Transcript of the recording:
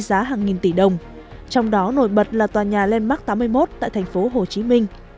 giá hàng nghìn tỷ đồng trong đó nổi bật là tòa nhà landmark tám mươi một tại thành phố hồ chí minh